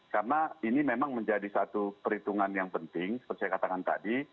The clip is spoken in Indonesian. karena ini memang menjadi satu perhitungan yang penting seperti saya katakan tadi